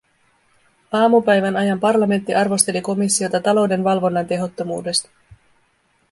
Aamupäivän ajan parlamentti arvosteli komissiota talouden valvonnan tehottomuudesta.